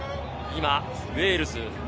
ウェールズ。